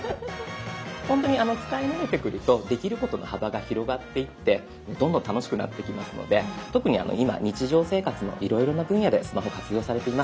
ほんとに使い慣れてくるとできることの幅が広がっていってどんどん楽しくなってきますので特に今日常生活のいろいろな分野でスマホ活用されています。